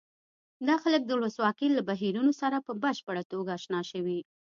دا خلک د ولسواکۍ له بهیرونو سره په بشپړه توګه اشنا شوي.